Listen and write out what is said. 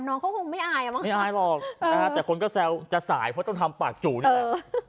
น้องเขาคงไม่อายมั้งไม่อายหรอกนะฮะแต่คนก็แซวจะสายเพราะต้องทำปากจู่นี่แหละ